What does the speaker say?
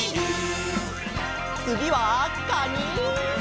つぎはかに！